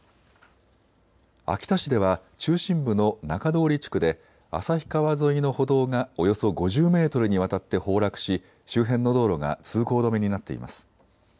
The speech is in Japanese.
秋田市では中心部の中通地区で旭川沿いの歩道がおよそ５０メートルにわたって崩落し周辺の道路が通行止めになっています。